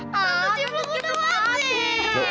tante cipluk udah mati